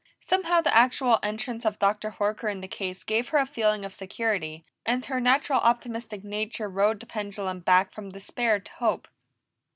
Somehow, the actual entrance of Dr. Horker into the case gave her a feeling of security, and her natural optimistic nature rode the pendulum back from despair to hope.